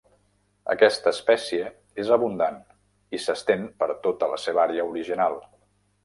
Aquesta espècie és abundant i s'estén per tota la seva àrea original.